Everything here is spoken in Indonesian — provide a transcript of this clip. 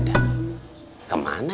dia pembahasan malam